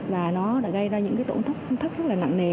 và nó đã gây ra những cái tổn thất rất là nặng nề